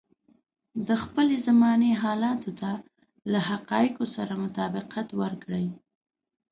د خپلې زمانې حالاتو ته له حقايقو سره مطابقت ورکړي.